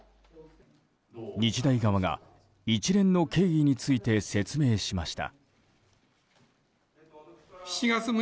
日大側が一連の経緯について説明しました。